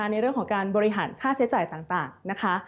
ในเรื่องของการบริหารค่าใช้จ่ายต่างนะคะ